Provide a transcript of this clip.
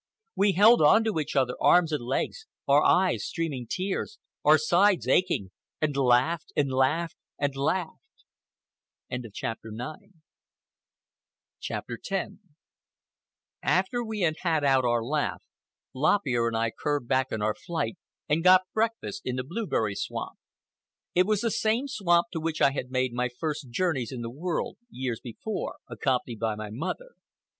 We held on to each other, arms and legs, our eyes streaming tears, our sides aching, and laughed and laughed and laughed. CHAPTER X After we had had out our laugh, Lop Ear and I curved back in our flight and got breakfast in the blueberry swamp. It was the same swamp to which I had made my first journeys in the world, years before, accompanied by my mother.